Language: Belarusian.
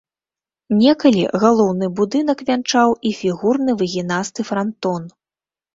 Некалі галоўны будынак вянчаў і фігурны выгінасты франтон.